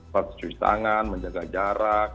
harus cuci tangan menjaga jarak